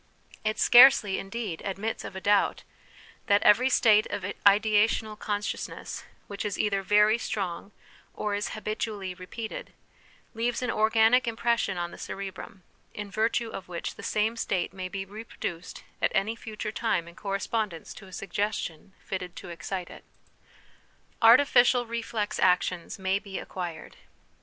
It scarcely, indeed, admits of a doubt, that every state of ideational consciousness which is either very strong or is habitually repeated, leaves an organic impression on the cerebrum, in virtue of which the same state may be reproduced at any future time in correspond ence to a suggestion fitted to excite it." Artificial Reflex Actions may be Acquired.